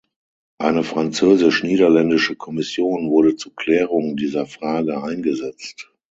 Eine französisch-niederländische Kommission wurde zur Klärung dieser Frage eingesetzt.